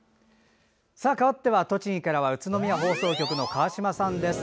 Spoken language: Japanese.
かわっては栃木から宇都宮放送局の川島さんです。